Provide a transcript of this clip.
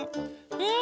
うん！